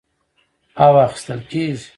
او اخىستل کېږي،